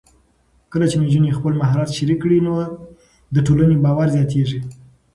کله چې نجونې خپل مهارت شریک کړي، نو د ټولنې باور زیاتېږي.